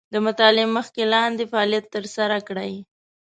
د مطالعې مخکې لاندې فعالیت تر سره کړئ.